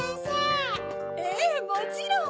ええもちろん。